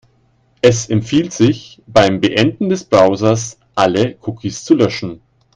Es empfiehlt sich, beim Beenden des Browsers alle Cookies zu löschen.